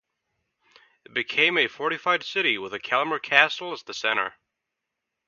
It became a fortified city, with the Kalmar Castle as the center.